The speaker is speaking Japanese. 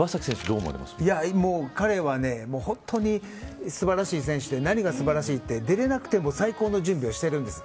彼は素晴らしい選手で何が素晴らしいって出れなくても最高の準備をしてるんです。